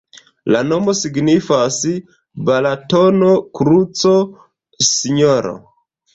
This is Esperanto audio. La nomo signifas: Balatono-kruco-Sinjoro.